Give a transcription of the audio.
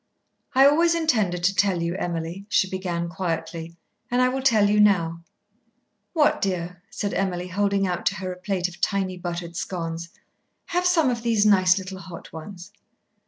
"I always intended to tell you, Emily," she began quietly, "and I will tell you now." "What, dear?" said Emily, holding out to her a plate of tiny buttered scones. "Have some of these nice, little hot ones."